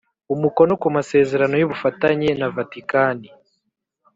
umukono ku masezerano y ubufatanye na Vatikani